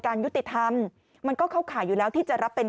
ยุติธรรมมันก็เข้าข่ายอยู่แล้วที่จะรับเป็น